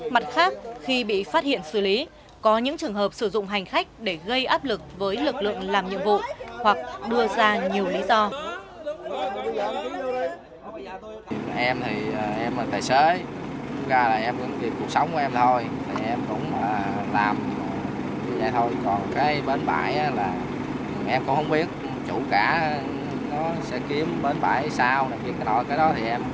mặt khác khi bị phát hiện xử lý có những trường hợp sử dụng hành khách để gây áp lực với lực lượng làm nhiệm vụ hoặc đưa ra nhiều lý do